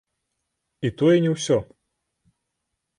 І тое не ўсе.